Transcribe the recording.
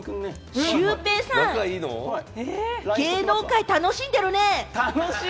シュウペイちゃん、芸能界楽しんでるね。